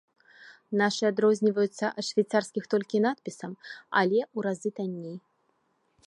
Нашы адрозніваюцца ад швейцарскіх толькі надпісам, але ў разы танней.